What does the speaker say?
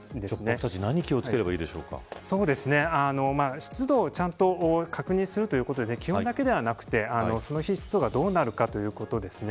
僕たちは何を気を付ければ湿度をちゃんと確認するということで気温だけではなくてその日の湿度がどうなるかということですね。